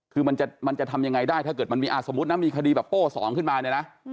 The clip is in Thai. คือมันจะทำยังไงได้ถ้าเกิดมันมีสมมุตินะมีคดีแบบโป้สองขึ้นมาเนี่ยนะ